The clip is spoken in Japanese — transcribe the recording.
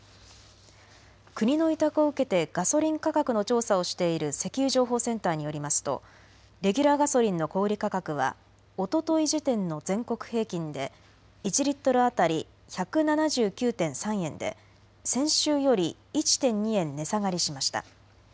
国の委託を受けてガソリン価格の調査をしている石油情報センターによりますとレギュラーガソリンの小売価格はおととい時点の全国平均で１リットル当たり１７９．３円で先週より１．２円値下がりしました。